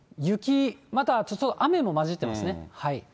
雪、またはちょっと雨も交じってますね。